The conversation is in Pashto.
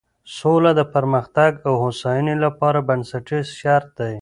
سوله د پرمختګ او هوساینې لپاره بنسټیز شرط دی.